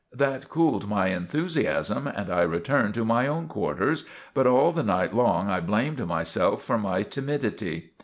That cooled my enthusiasm and I returned to my own quarters; but all the night long I blamed myself for my timidity.